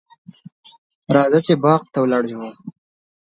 راځه چې باغ ته ولاړ شو.